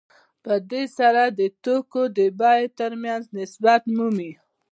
په دې سره د توکو د بیې ترمنځ نسبت مومي